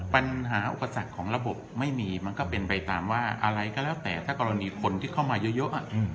ปัญหาอุปสรรคของระบบไม่มีมันก็เป็นไปตามว่าอะไรก็แล้วแต่ถ้ากรณีคนที่เข้ามาเยอะ